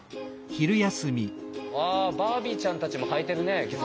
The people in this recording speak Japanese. わバービーちゃんたちも履いてるね義足。